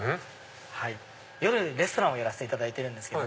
夜レストランをやらせていただいてるんです。